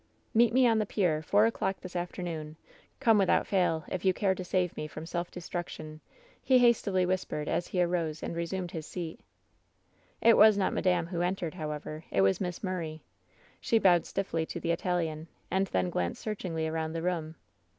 " *Meet me on the pier — four o'clock this afternoon. Come without fail, if you care to save me from self destruction !' he hastily whispered, as he arose and re sumed his seat. "It was not madame who entered, however; it was Miss Murray. "She bowed stiffly to the Italian, and then glanced searchingly around the room.